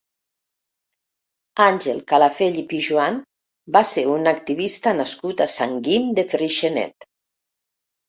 Àngel Calafell i Pijoan va ser un activista nascut a Sant Guim de Freixenet.